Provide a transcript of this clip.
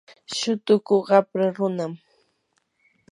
shatuku qapra runam.